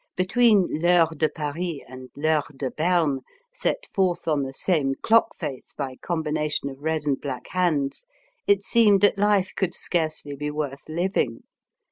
Between Vheure de Paris and Vheure de Bernej set forth on the same clock face by combination of red and black hands, it seemed that life could scarcely be worth living.